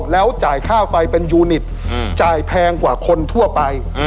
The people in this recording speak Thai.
แล้วจ่ายค่าไฟเป็นยูนิตจ่ายแพงกว่าคนทั่วไป